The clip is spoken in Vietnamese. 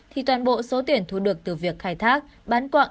thì toàn bộ số tiền thu được từ việc khai thác bán quạng